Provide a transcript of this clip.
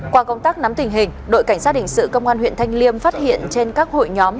qua công tác nắm tình hình đội cảnh sát hình sự công an huyện thanh liêm phát hiện trên các hội nhóm